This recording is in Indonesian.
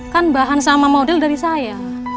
kan bahan sama model dari saya